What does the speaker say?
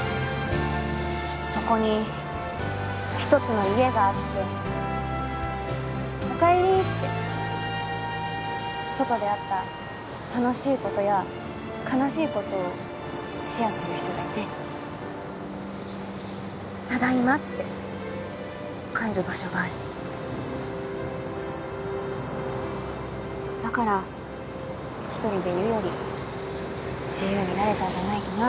そこに一つの家があっておかえりって外であった楽しいことや悲しいことをシェアする人がいてただいまって帰る場所があるだから１人でいるより自由になれたんじゃないかな